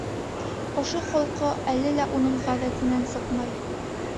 Ошо холҡо әле лә уның ғәҙәтенән сыҡмай.